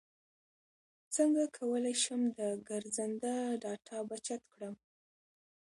څنګه کولی شم د ګرځنده ډاټا بچت کړم